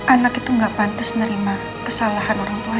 anak itu gak pantas nerima kesalahan orangtuanya